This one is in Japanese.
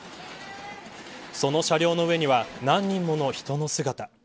その車両の上には何人もの人の姿。